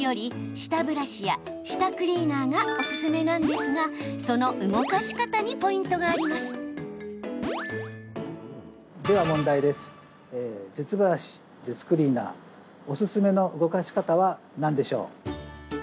舌ブラシ、舌クリーナーおすすめの動かし方は何でしょう。